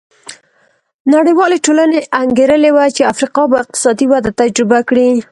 نړیوالې ټولنې انګېرلې وه چې افریقا به اقتصادي وده تجربه کړي.